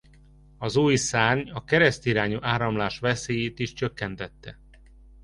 Az új szárny a keresztirányú áramlás veszélyét is csökkentette.